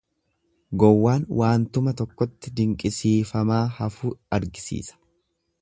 Gowwaan waantuma tokkotti dinqisiifamaa hafuu argisiisa.